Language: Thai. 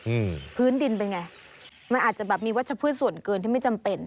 อืมพื้นดินเป็นไงมันอาจจะแบบมีวัชพืชส่วนเกินที่ไม่จำเป็น